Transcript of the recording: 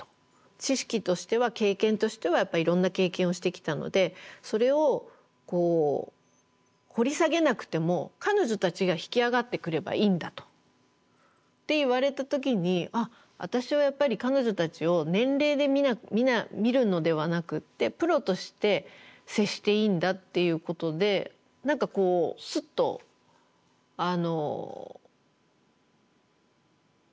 知識としては経験としてはやっぱいろんな経験をしてきたのでそれを掘り下げなくても彼女たちが引き上がってくればいいんだと。って言われた時にあっ私はやっぱり彼女たちを年齢で見るのではなくってプロとして接していいんだっていうことで何かこうスッと悩みが消えましたね。